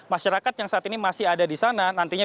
masyarakat yang saat ini masih ada di sana nantinya